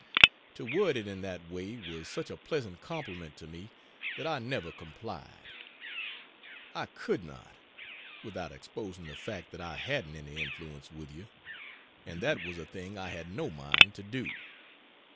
To word it in that way was such a pleasant compliment to me that I never complied. I could not without exposing the fact that I hadn't any influence with you and that was a thing I had no mind to do.